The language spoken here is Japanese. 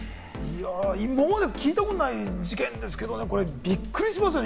今まで聞いたことない事件ですけれども、びっくりしますよね。